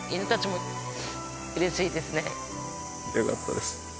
よかったです。